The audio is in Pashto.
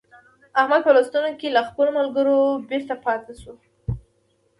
احمد په لوستونو کې له خپلو ملګرو بېرته پاته شو.